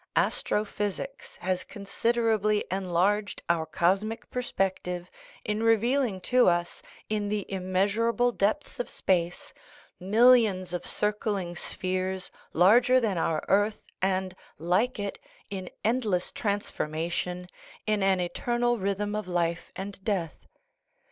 Astro physics has considerably enlarged our cosmic perspective in revealing to us, in the immeasur able depths of space, millions of circling spheres larger than our earth, and, like it, in endless transformation, in an eternal rhythm of life and death.